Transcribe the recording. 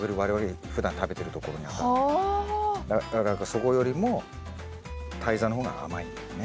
だからそこよりも胎座の方が甘いんだよね。